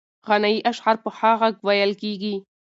غنایي اشعار په ښه غږ ویل کېږي.